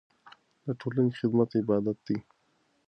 د ټولنې خدمت عبادت دی.